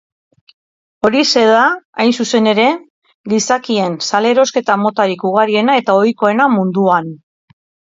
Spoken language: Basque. Horixe da, hain zuzen ere, gizakien salerosketa-motarik ugariena eta ohikoena munduan.